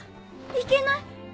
いけない！